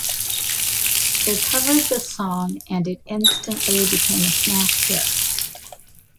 They covered the song and it instantly became a smash hit.